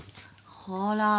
ほら。